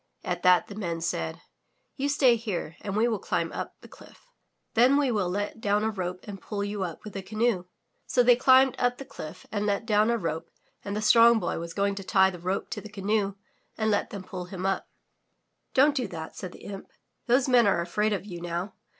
At that the Men said: You stay here and we will climb up the cliff. Then we will 171 MY BOOK HOUSE let down a rope and pull you up with the canoe/' So they cHmbed up the cliff and let down a rope and the Strong Boy was going to tie the rope to the canoe and let them pull him up. "Don't do that/* said the imp. Those men are afraid of you now.